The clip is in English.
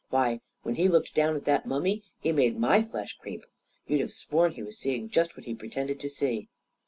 Why, when he looked down at that mummy, he made my flesh creep. You'd have sworn he was seeing just what he pretended to see."